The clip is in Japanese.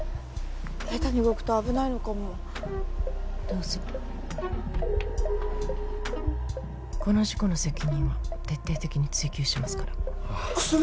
下手に動くと危ないのかもどうぞこの事故の責任は徹底的に追及しますからああ薬？